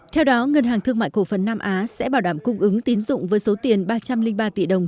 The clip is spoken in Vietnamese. theo đó ngân hàng thương mại cổ phần nam á sẽ bảo đảm cung ứng tín dụng với số tiền ba trăm linh ba tỷ đồng